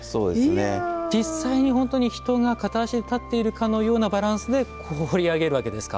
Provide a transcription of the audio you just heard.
実際に本当に人が片足で立っているかのようなバランスで彫り上げるわけですか。